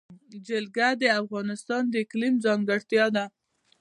جلګه د افغانستان د اقلیم ځانګړتیا ده.